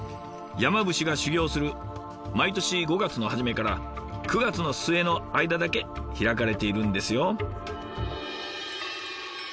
山伏が修行する毎年５月の初めから９月の末の間だけ開かれているんですよ。